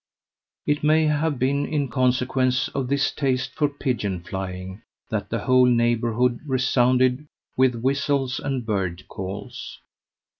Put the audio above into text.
It may have been in consequence of this taste for pigeon flying that the whole neighbourhood resounded with whistles and bird calls.